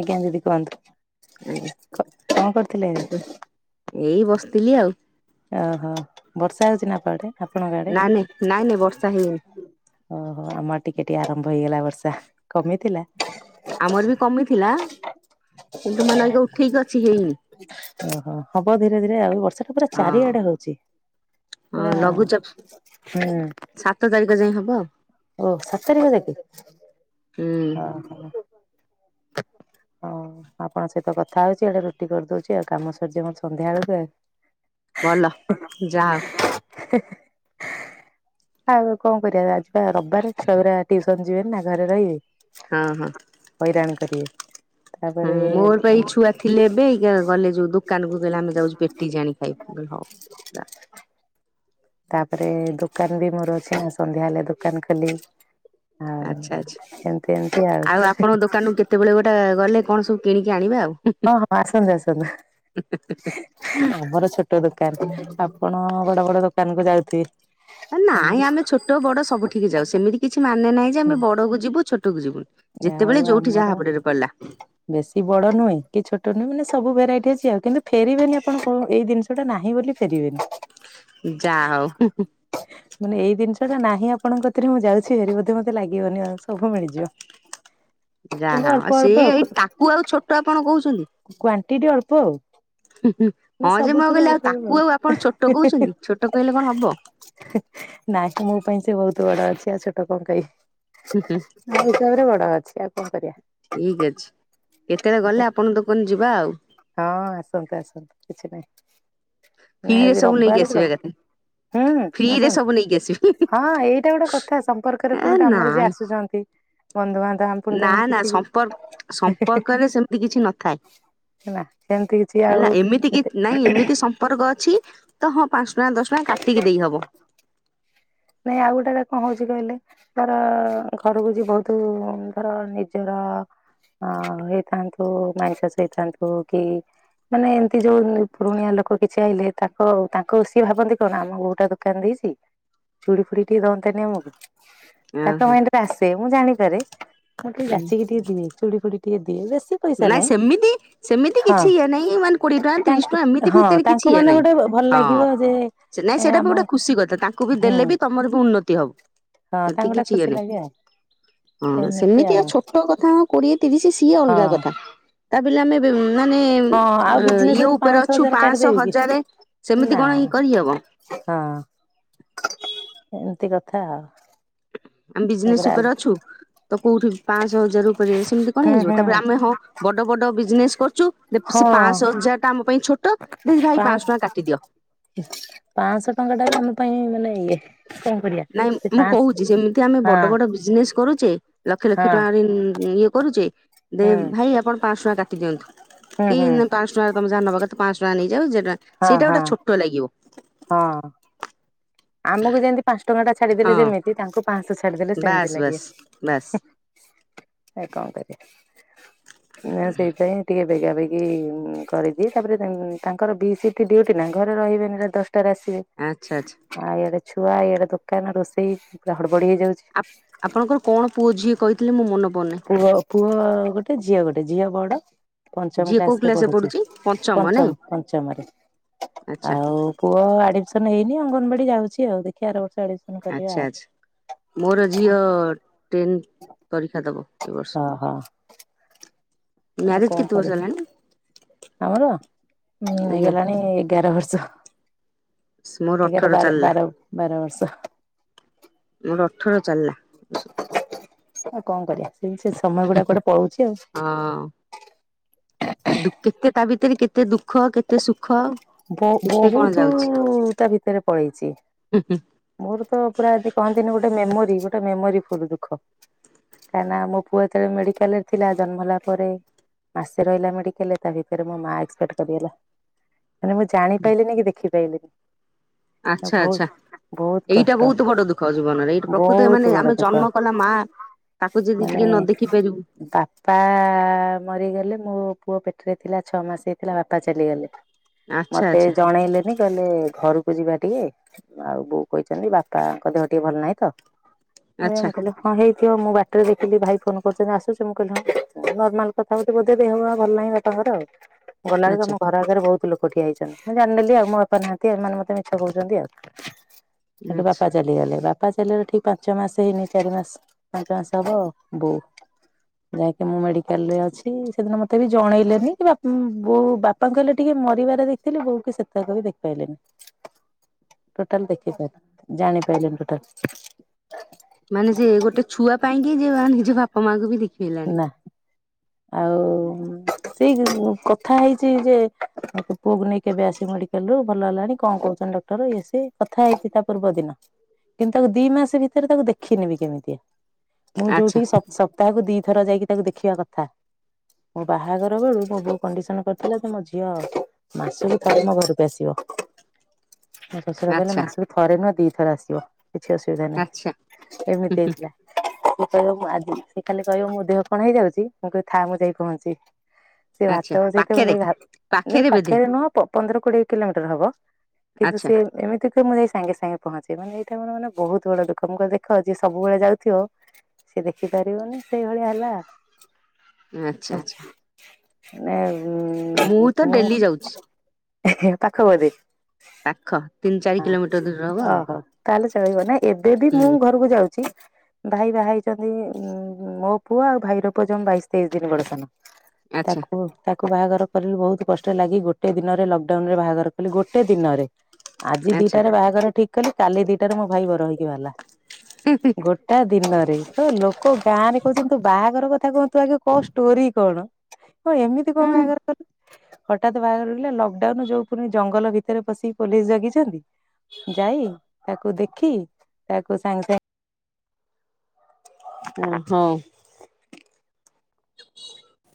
ଆଜ୍ଞା ଦିଦି କୁହନ୍ତୁ। କଣ କରୁଥିଲେ? ଆଜ୍ଞା [unintelligible] ଓ ହୋ ବର୍ଷା ହଉଚି ନା ଆପ ଆଡେ। ନା ନେଇଁ ନାଇଁ ନାଇଁ ବର୍ଷା ହେଇନି। ଓ ହୋ ଆମ ଆଡେ ଟିକେ ଟିକେ ଆରମ୍ଭ ହେଇଗଲା ବର୍ଷା କମିଥିଲା। ଆମର ବି କମିଥିଲା କିନ୍ତୁ ମାନେ ଅଇକା ଉଠେଇକି ଅଛି ହେଇନି। ହବ ଧୀରେ ଧୀରେ ଆଉ ବର୍ଷା ତ ପୁରା ହଁ ଚାରିଆଡେ ହଉଚି ହଁ ପୁରା ଲଘୁଚାପ ହୁଁ। ସାତ ତାରିଖ ଯାଏ ହବ ଆଉ ଓ ସାତ ତାରିଖ ଯାକେ ହୁଁ ଅ ହ। ଅଁ ଆପଣଙ୍କ ସହିତ କ ଥା ହଉଚି ଆଡେ ରୁଟି କରିଦଉଚି ଆଉ କାମ ସରିଯିବ ମୋର ସନ୍ଧ୍ୟାବେଳୁକୁ ଆଉ। ଭଲ ଯାଅ। ହେ ହେ। ଆଉ କଣ କରିଆ ଆଜି ବା ରବବାରେ ଛୁଆଗୁରା ଟ୍ୟୁସନ ଯିବେନି ନା ଘରେ ରହିବେ। ହଁ ହଁ ହଇରାଣ କରିବେ ହୁଁ ତାପରେ ମୋର ପା ଏଇ [unintelligible] ଛୁଆ ଥିଲେ ଏବେ ଏଇକା ଗଲେ ଯୋଉ ଦୋକାନୁକୁ କହିଲେ ଆମେ ଯାଉଚୁ ପେଟିସ୍ ଆଣି ଖାଇବୁ ମୁଁ କହିଲି ହଉ। [inaudible] ତାପରେ ଦୋକାନ ବି ମୋର ଅଛି ନା ସନ୍ଧ୍ୟା ହେଲେ ଦୋକାନ ଖୋଲିବି। ଆଉ ଆଚ୍ଛା ଆଚ୍ଛା ଏମତି ଏମିତି ଆପଣଙ୍କ ଆଉ। ଦୋକାନକୁ କେତେବେଳେ ଗୋଟେ ଗଲେ କଣ ସବୁ କିଣିକି ଆଣିବା ଆଉ। ହଁ ହଁ ଆସନ୍ତୁ ଆସନ୍ତୁ ଆମର ଛୋ ଟ ଦୋକାନ ଆପଣ ବଡ ବଡ ଦୋକାନୁକୁ ଯାଉଥିବେ। ହେ ନାଇଁ ଆମେ ଛୋଟ ବଡ ସବୁଠିକି ଯାଉ ସେମିତି କିଛି ମାନେ ନାହିଁ ଯେ ଆମେ ବଡକୁ ଯିବୁ ଛୋଟକୁ ଯିବୁନୁ। ଆଉ ଯେତେବେଳେ ଯୋଉଠି ଆମର ଯାହା ହାବୁଡରେ ପଡିଲା। ବେଶୀ ବଡ ନୁହେଁ କି ଛୋଟ ନୁହେଁ ମାନେ ସବୁ ଭେରାଇଟି ଅଛି ଆଉ କିନ୍ତୁ ଫେରିବେନି ଆପଣ କୋ ଏଇ ଜିନିଷ ସେ ଗୋଟାକ ନାହିଁ ବୋଲି ଫେରିବେନି। ଯା ହଉ ହୁଁ ହୁଁ। ମାନେ ଏଇ ଜିନିଷଟା ନାହିଁ ଆପଣଙ୍କ କତିରେ ମୁଁ ଯାଉଛି ହେରି ବୋଧେ ମୋତେ ଲାଗିବନି ଆଉ ସବୁ ମିଳିଯିବ। କିନ୍ତୁ ଯାହା ଅଳ୍ପ ଆ ଅଳ୍ପ ସେଇ ଏଇ ତାକୁ ଆଉ ଛୋଟ ଆପଣ କହୁଛନ୍ତି। କ୍ୱାଣ୍ଟିଟି ଅଳ୍ପ ଆଉ। ହୁଁ ହୁଁ ମାନେ ହଁ ଯେ ମୁଁ ଆଉ ସବୁଥିରୁ କହିଲି ଅଳ୍ପ ଆଉ ଅଳ୍ପ ତାକୁ ଆଉ ଆପଣ ଛୋଟ କହୁଚନ୍ତି ଛୋଟ କହିଲେ କଣ ହବ। ନାଇଁ ମୋ ପାଇଁ ସେ ବହୁତ ବଡ ଅଛି ଆଉ ଛୋଟ କଣ କହିବି। ହୁଁ ହୁଁ। ମୋ ହିସାବେରେ ବଡ ଅଛି ଆଉ କଣ କରି ଇକ୍ ଅଛି କେତେବେଳେ ଗଲେ ଆପଣଙ୍କ ଦୋକାନୁ ଯିବା ଆଉ। ହଁ ଆସନ୍ତୁ ଆସନ୍ତୁ କିଛି ନାଇଁ। ନା ଫ୍ରିରେ ଆଜି ସବୁ ନେଇକି ରବବାରେ ଆସିବା ତ ଏକାଥରେ ହୁଁ ଫ୍ରିରେ ଆସନ୍ତୁ। ସବୁ ନେଇକି ଆସିବି। ହଁ ଏଇଟା ଗୋଟେ କଥା ସମ୍ପର୍କରେ ଏ ପୁଣି ତ ଆମର ଯିଏ ନାଇଁ ଆସୁଚନ୍ତି ବନ୍ଧୁବାନ୍ଧ ଆ ନା ନା ସମ୍ପର୍କ ସମ୍ପର୍କରେ ସେମତି କିଛି ନଥାଏ। ନା ସେମିତି କିଛି ଆଉ ହେଲା ଏମିତି କି ଯେତେ ନାଇଁ ଏମିତି ସ ସମ୍ପର୍କ ଅଛି ତ ହଁ ପାଞ୍ଚ ଟଙ୍କା ଦଶ ଟଙ୍କା କାଟିକି ଦେଇହବ। ନାଇଁ ଆଉ ଗୋଟା କଣ ହଉଛି କହିଲେ? ତାର ଘରକୁ ଯ ବହୁତ ଧର ନିଜର ଅ ହେଇଥାନ୍ତୁ ମାଂସସ ହେଇଥାନ୍ତୁ କି ମାନେ ଏମିତି ଯୋଉ ପୁରୁଣିଆ ଲୋକ କିଛି ଆଇଲେ ତାଙ୍କ ତାଙ୍କ ସିଏ ଭାବନ୍ତି କଣ ଆମ ଗୋଉଟା ଦୋକାନ ଦେଇଛି! ଚୁଡ଼ି ଫୁଡି ଟିକେ ଦନ୍ତାନି ଆମକୁ ତାଙ୍କ ଓହୋ ମାଇଣ୍ଡରେ ଆସେ ମୁଁ ଜାଣିପାରେ। ମୁଁ ଟିକେ ବାଛିକି ଟିକେ ଦିଏ ଚୁଡି ଫୁଡି ଟିକେ ଦିଏ ବେଶୀ ପଇସା ନାଇଁ ନାହିଁ। ସେମିତି ସେମିତି ହଁ। କିଛି ଇଏ ନାଇଁ ମାନେ କୋଡିଏ ଟଙ୍କା ତିରିଶ ଟଙ୍କା ଏମିତି ଭିତରେ କିଛି ଲୋକ ଇଏ ମାନେ ନାହିଁ ଗୋଟେ ଭଲ ହଁ। ଲାଗିବ ଯେ ନାଇଁ ଏ ସେଇଟା ବି ଆମ ଗୋଟେ ଖୁସି କ ତାଙ୍କୁ ବି ହୁଁ ଦେଲେ ବି ତମର ବି ଉନ୍ନତି ହବ। ହଁ ତାଙ୍କୁ ଗୋଟେ ସେତିକିଚି ଇଏ ଖୁସି ଲାଗେ ଆଉ ହଁ ଏମିତି ସେମିତି ଆଉ। ଛୋଟ କଥା କୋଡିଏ ତିରିଶ ସିଏ ଅଲଗା ହଁ କଥା ତା ବ ଆମେ ମାନେ ହଁ ଆଉ ବିଜନେସ ଇଏ ମୁଁ ଉପରେ ପାଞ୍ଚଶହ ଅଛୁ ହଜାର ପାଞ୍ଚଶହ କାଟିଦେବି କି ହଜାର ସେମିତି ନା। କଣ ଇ କରିହବ। ହଁ ଏମିତି କଥା ଆଉ। ଆମେ ବିଜନେସ ତାପରେ ଆ ଉପରେ ଅଛୁ ତ କୋଉଠି ପାଞ୍ଚ ହଜାର ଉପରେ ସେମିତି କଣ ହୁଁ ହେଇଯିବ ହୁଁ ତାପରେ ଆମେ ହଁ ବଡ ବଡ ବିଜନେସ କରୁଛୁ ସେ ପାଞ୍ଚ ହଁ ହଜାର ଟା ଆମ ପାଇଁ ଛୋଟ ଦେ ଭାଇ ପାଞ୍ଚଶହ ଟଙ୍କା କାଟିଦିଅ। ପାଞ୍ଚଶହ ଟଙ୍କା ଟା ଆମ ପାଇଁ ମାନେ ଇଏ କଣ କରିବା ନାଇଁ ସେ ମୁଁ ପାଁଶ କହୁଛି ସେମିତି ଆମେ ହଁ ବଡ ବଡ ବିଜନେସ କରୁଛେ। ଲକ୍ଷ ଲକ୍ଷ ହଁ ଟଙ୍କାରେ ଇଏ କରୁଛେ। ଦେ ହୁଁ ଭାଇ ଆପଣ ପାଞ୍ଚହ ଟଙ୍କା କାଟି ଦିଅନ୍ତୁ ହୁଁ ହୁଁ କି ପାଞ୍ଚ ତମୋହା ନବା କେ ତ ପାଞ୍ଚ ଟଙ୍କା ନେଇଯ ଯ ଯେଟା ହଁ ସେଇଟା ହଁ ଗୋଟେ ଛୋଟ ଲାଗିବ ହଁ। ଆମକୁ ଯେମିତି ପାଞ୍ଚ ଟଙ୍କା ଟା ଛାଡିଦେଲେ ହଁ ଯେମିତି ତାଙ୍କୁ ପାଞ୍ଚଶହ ଛାଡିଦେଲେ ସେମିତି ବାସ୍ ବାସ୍ ବାସ୍ ଲାଗିବ। ଆ କଣ କରିବା ନା ସେଇପାଇଁ। ଟିକେ ବେଗା ବେଗି କରିଦିଏ ତାପରେ ତାଙ୍କର ବି ସିଟି ଡ୍ୟୁଟି ନା ଘରେ ରହିବେନି ଦଶଟାରେ ଆସିବେ। ଆଚ୍ଛା ଆଚ୍ଛା। ଆ ଇଆଡେ ଛୁଆଇଆଡେ ଦୋକାନ ରୋଷେଇ ପୁରା ହଡବଡି ହେଇଯାଉଛି। ଆପଣଙ୍କର କଣ ପୁଅ ଝିଅ କହିଥିଲେ ମୁଁ ମନେ ପଡୁନି। ପୁଅ ପୁଅ ଗୋଟେ ଝିଅ ଗୋଟେ ଝିଅ ବଡ। ପଞ୍ଚମ ଝିଅ କୋଉ କ୍ଲାସ ରେ କ୍ଲାସରେ ପଢୁଛି ନାଇଁ ପଞ୍ଚମ ପଞ୍ଚମରେ ଆଚ୍ଛା ଆଉ ପୁଅ ଆଡମିଶନ ହେଇନି ଅଙ୍ଗନବାଡି ଯାଉଛି ଆଉ ଦେଖିବା ଆର ବର୍ଷ ଆ ଆଚ୍ଛା ଆଚ୍ଛା ମୋର ଝିଅ ଟେନ୍ ପରୀକ୍ଷା ଦେବ ଏ ବର୍ଷ। ହ ହଁ। ମ୍ୟାରଜ୍ କେତେ ବର୍ଷ ହେଲାଣି? ଆମର ଉଁ ଆଜ୍ଞା ହେଇଗଲାଣି ଏଗାର ବର୍ଷ। ମୋର ହଗାର ଅଠର ବାର ଚାଲିଲା ବାର ବାର ବର୍ଷ। ମୋର ଅଠର ଚାଲିଲା। ଆଉ କଣ କରିବା ସେ ସେ ସମୟ ଗୁଡା ଗୋଟେ ପଳଉଛି ଆଉ। ହଁ କେତେ ତା ଭିତରେ କେତେ ଦୁଃଖ କେତେ ସୁଖ। ବ କେତେ କଣ ବହୁତ ଯାଉଛି। ତା ଭିତରେ ପଳେଇଛି। ହୁଁ ମୋର ତ ପୁରା ଯଦି କହନ୍ତିନି ଗୋଟେ ମେମୋରି ଗୋଟେ ମେମୋରି ଫୁଲ ଦୁଃଖ। କାହିଁକି ନା ମୋ ପୁଅ ତଳେ ମେଡିକାଲ ରେ ଥିଲା ଜନ୍ମ ହେଲା ପରେ ମାସେ ରହିଲା ମେଡିକଲେ ତା ଭିତରେ ମୋ ମା ଏକ୍ସପେକ୍ଟ କରିଦେଲା। ମାନେ ମୁଁ ଜାଣିପାରଲିିନି କି ଦେଖିପ ପାଇଲିିନି। ଆଚ୍ଛା ଆଚ୍ଛା ବହୁତ ବହୁତ ଏଇଟା କଷ୍ଟ ବହୁତ ବଡ ଦୁଃଖ ଜୀବନରେ ଏଇଟା ପ୍ରକୃତ ମାନେ ବହୁତ ବଡ ଆମେ ଦୁଃଖ। ଜନ୍ମ କଲା ମା ତାକୁ ଯଦି ଟିକେ ମାନେ ନ ଦେଖି ପାରିବୁ ତା ବାପା ମରିଗଲେ ମୋ ପୁଅ ପେଟରେ ଥିଲା ଛଅ ମାସ ହେଇଥିଲା ବାପା ଚାଲିଗଲେ। ଆଚ୍ଛା ମତେ ଆଚ୍ଛା ଜଣେଇଲେନି କହେ ଘରକୁ ଯିବା ଟିକେ ଆଉ ବୋଉ କହିଛନ୍ତି ବାପାଙ୍କ ଦେହ ଟିକେ ଭଲ ନାହିଁ ତ ଆଚ୍ଛା କହିଲ ହଁ ହେଇଥିବ ମୁଁ ବାଟରେ ଦେଖିଲି ଭାଇ ଫୋନ୍ କରୁଚନ୍ତି ଆସୁଛୁ ମୁଁ କହିଲି ହଁ ନର୍ମାଲ କଥା ହଉଚି ବୋଧେ ଦେହ ପା ଭଲ ନାହିଁ ବାପାଙ୍କର ଆଉ, ଗଲା ବେଳକୁ ଆଚ୍ଛା ଆମ ଘର ଆଗରେ ବହୁତ୍ କ ଠିଆ ହେଇଚନ୍ତି ମୁଁ ଜାଣିିଦେଲି ଆଉ, ମୋ ବାପା ନାହାନ୍ତି ଏମାନେ ମତେ ମିଛ କହୁଚନ୍ତି ଆଉ ସେଠୁ ଆଚ୍ଛା। ବାପା ଚାଲିଗଲେ ବାପା ଚାଲଗଲେ ଠିକ ପାଞ୍ଚ ମାସ ହେଇନି ଚାରି ମାସ ପାଞ୍ଚ ମାସ ହବ ବୋଉ ଯାହାକି ମୁଁ ମେଡିକାଲ୍ ରେ ଅଛି ସେଦିନ ମତେ ବି ଜଣେଇଲେନି କି ବୋଉ ବା ପାଙ୍କୁ ହେଲେ ଟିକେ ମରିବାର ଦେଖିଥିଲି, ବୋଉକୁ ସେତେକ ବି ଦେଖିପାଇଲିନି। Total [unintelligible] ଜାଣିପାଇଲିନି total. ମାନେ ସେ ଗୋଟେ ଛୁଆ ପାଇଁ କି ଯେ ନିଜ ବାପା ମାଆଙ୍କୁ ବି ଦେଖି ହେଲାନି। ନା ଆଉ [unintelligible] ଉଁ କଥା ହେଇଚି ଯେ ତୁ ପୁଅକୁ ନେଇ କେବେ ଆସିବୁ ମେଡିକାଲରୁୁ ଭଲ ହେଲାଣି କଁ କହୁଛନ୍ତି ଡକ୍ଟର ଇଏ ସିଏ। କଥା ହେଇଚି ତା ପୂର୍ବ ଦିନ କିନ୍ତୁ ତାକୁ ଦି ମାସ୍ ଭିତରେ ତାକୁ ଦେଖିନିବି କେମିତିଆ। ମୁଁ ଆଚ୍ଛା ଯୋଉଟି ସପ୍ ସପ୍ତାହକୁ ଦିଥର ଯାଇକି ତାକୁ ଦେଖିବା କଥା। ମୋ ବାହାଘର ବେଳୁ ମୋ ବୋଉ କଣ୍ଡିସନ କରିଥିଲା [unintelligible] ମୋ ଝିଅ ମାସୁକୁ ଥରେ ମୋ ମୋ ଘରୁକୁ ଆସିବ। ଶଶୁର କହିଲେ ଆଚ୍ଛା। ମାସୁକୁ ଥରେ ନୁହଁ ଦିଥର ଆସିବ କିଛି ଅସୁବିଧା ଆଚ୍ଛା ନାହିଁ ହୁଁ ଏମିତି ହୁଁ ହେଇଥିଲା। ସେ କହିବ ମୁଁ ଆଜି ସେ ଖାଲି କହିବ ମୋ ଦେହ କଣ ହେଇଯାଉଚି ମୁଁ କହିବି ଥା ମୁଁ ଯାଇ ପହଞ୍ଚିବି। ସେ ଆଚ୍ଛା ଭାତ ବସେଇଥିବ ମୁଁ ପାଖରେ ଜାଇଁକି ଭା, ନାଇ ପାଖରେ ବୋଧେ ପାଖେରେ ନୁହଁ ପ ପନ୍ଦର କୋଡିଏ କିଲୋମିଟର ହବ। ଆଚ୍ଛା [unintelligible] ଏମିତିକି ମୁଁ ଯାଇ ସାଙ୍ଗେ ସାଙ୍ଗେ ପହଞ୍ଚିମି ଏଇଟା ମୋର ମାନେ ବହୁତ୍ ବଡ ଦୁଃଖ ମୁଁ [unintelligible] ଦେଖ ଯିଏ ସବୁବେଳେ ଯାଉଥିବ ସିଏ ଦେଖିପାରିବନି ସେଇଭଳିଆ ହେଲା। ଆଚ୍ଛା ଆଚ୍ଛା। ମୁଁ ତ ଡେଲି ଯାଉଛି [inaudible] ଏ ହେ ପାଖ ବୋଧେ? ପାଖ ତିନି ଚାରି କିଲୋମିଟର ଦୂର ହବ ଆଉ ଓହୋ ତାହାଲେ ଚଳିବ ନା ଏବେ ବି ମୁଁ ହୁଁ ଘରୁକୁ ଯାଉଚି। ଭାଇ ବାହା ହେଇଚନ୍ତି ଉଁ-ଉଁ ମୋ ପୁଅ ଆଉ ଭାଇର ପୁଅ ଜମା ବାଇଶି ତେଇସି ଦିନି ବଡ ସାନ। ଆଚ୍ଛା ତାକୁ ତାକୁ ବାହାଘର କରିଲୁ ବହୁତ୍ କଷ୍ଟରେ ଲାଗି ଗୋଟେ ଦିନରେ ଲକଡାଉନରେ ବାହାଘର କଲି ଗୋଟେ ଦିନରେ। ଆଜି ଦିଟାରେ ଆଚ୍ଛା। ବାହାଘର ଠିକ୍ କଲି କାଲି ଦିଟାରେ ମୋ ଭାଇ ବର ହେଇକି ବାହାରିଲା, ଗୋ ଟା ଦିନରେ [unintelligible] ଲୋକ ଗାଁରେ କହୁଛନ୍ତି ତୋ ବାହାଘର କଥା କଁ ତୁ ଆଗେ କହ ଷ୍ଟୋରି କଣ। [unintelligible] ଏମିତି କଁ ଓ ବାହାଘର କଲ? ହଟାତ୍ ବାହାଘର [unintelligible] ଲକଡାଉନ୍ ଯୋଉ ପୁଣି ଜଙ୍ଗଲ ଭିତରେ ପଶିକି ପୋଲିସ ଜଗିଛନ୍ତି। ଯାଇ ତାକୁ ଦେଖି ତାକୁ ସଙ୍ଗେ-ସାଙ୍ଗେ ଉଁ-ହଁ।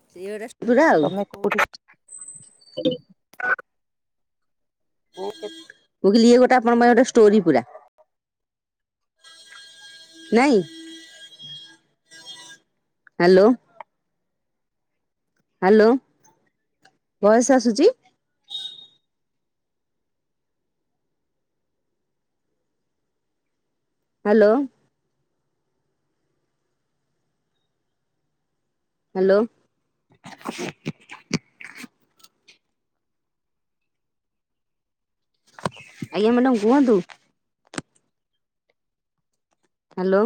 [unintelligible] ତମେ କୋଉଠି? [unintelligible] ମୁଁ କହିଲି ଇଏ ଗୋଟା ଆପଣଙ୍କ ପାଇଁ ଗୋଟେ ଷ୍ଟୋରି ପୁରା। ନାଇଁ। ହାଲୋ। ହାଲୋ, ବୟସ୍ ଆସୁଚି? ହାଲୋ। ହାଲୋ। ଆଜ୍ଞା ମ୍ୟାଡ଼ାମ୍ କୁହନ୍ତୁ। ହାଲୋ।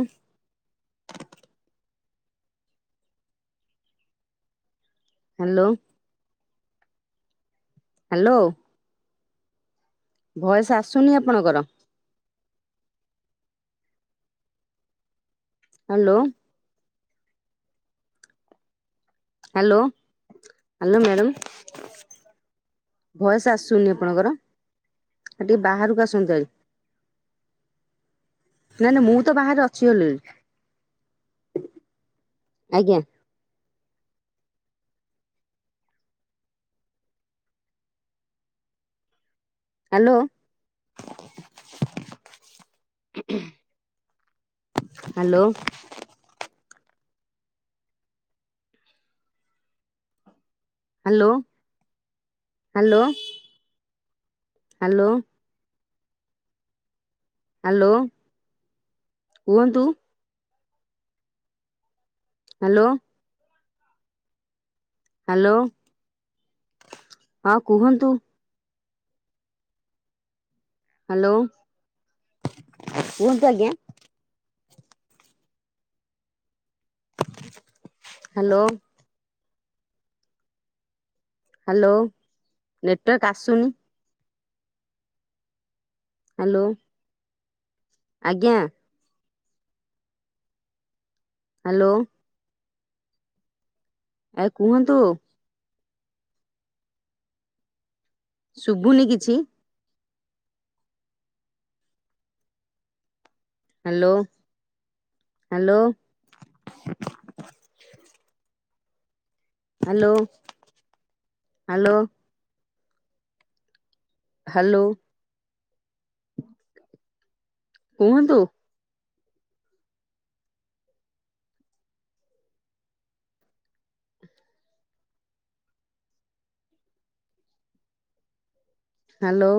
ହାଲୋ। ହାଲୋ। ଭଏସ୍ ଆସୁନି ଆପଣଙ୍କର। ହାଲୋ। Hello hello madam. ଭଏସ୍ ଆସୁନି ଆପଣଙ୍କର। ଆ ଟିକେ ବାହାରୁକୁ ଆସନ୍ତୁ ଆଇ। ନା ନା ମୁଁ ତ ବାହାରେ ଅଛି ଅଲର୍ଡି। ଆନ୍ଜା୍। Hello. Hello. Hello hello hello. Hello କୁହନ୍ତୁ। ହାଲୋ। ହ୍ୟାଲୋ ହଁ କୁହନ୍ତୁ। ହ୍ୟାଲୋ କୁହନ୍ତୁ ଆଜ୍ଞା। ହାଲୋ। ହ୍ୟାଲୋ ନେଟୱାର୍କ ଆସୁନି। ହ୍ୟାଲୋ। ଆଜ୍ଞା। ହ୍ୟାଲୋ। ଏ କୁହନ୍ତୁ। ଶୁବୁନି କିଛି। Hello hello? Hello hello? Hello. କୁହନ୍ତୁ। ହ୍ୟାଲୋ।